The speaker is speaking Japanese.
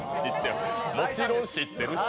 もちろん知ってるし。